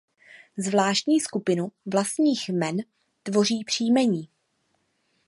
Zvláštní skupinu vlastních jmen tvoří příjmení.